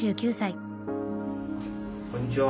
こんにちは。